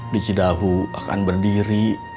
bicidahu akan berdiri